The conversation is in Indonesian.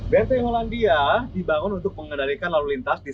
benteng hollandia dibangun untuk mengendalikan lalu lintas di selat antara pulau dekat